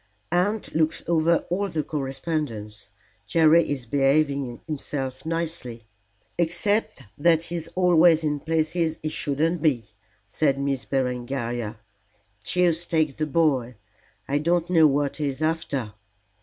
"Aunt looks over all the correspondence. Jerry is behaving himself nicely." "Except that he's always in places he shouldn't be," said Miss Berengaria. "Deuce take the boy, I don't know what he is after."